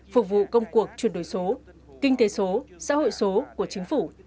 phục vụ công cuộc chuyển đổi số kinh tế số xã hội số của chính phủ